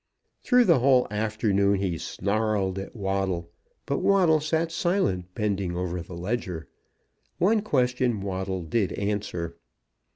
Through the whole afternoon he snarled at Waddle; but Waddle sat silent, bending over the ledger. One question Waddle did answer.